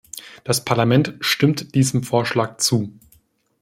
Das Parlament stimmt diesem Vorschlag zu.